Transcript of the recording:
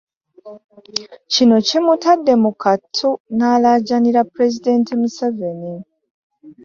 Kino kimutadde mu kattu n'alaajanira pulezidenti Museveni.